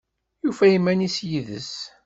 Yufa iman-is yid-s